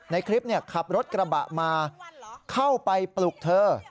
ในคลิปขับรถกระบะมาเข้าไปปลุกเธอ